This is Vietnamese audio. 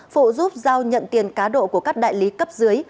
phụ giúp giao nhận tiền cá độ của các đại lý cấp dưới